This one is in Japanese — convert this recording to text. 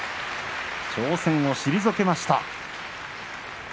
挑戦を退けました。